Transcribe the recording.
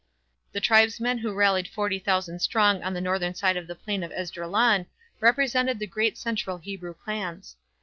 The tribesmen who rallied forty thousand strong on the northern side of the Plain of Esdraelon represented the great central Hebrew clans.